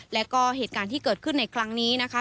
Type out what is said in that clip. แล้วก็เหตุการณ์ที่เกิดขึ้นในครั้งนี้นะคะ